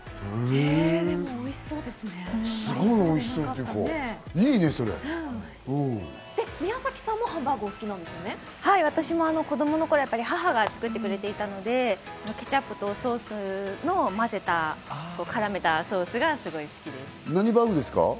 すごいおいしそうっていうか、宮崎さんもハンバーグお好き私も子供の頃、母が作ってくれていたので、ケチャップとおソースの混ぜた、絡めたソースがすごい好きです。